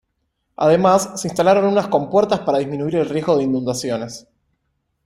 Además, se instalaron unas compuertas para disminuir el riesgo de inundaciones.